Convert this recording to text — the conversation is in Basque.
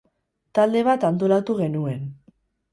Talde bat antolatu genuen.